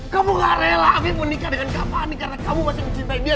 kamu gak rela afif menikah dengan kak fani karena kamu masih mencintai dia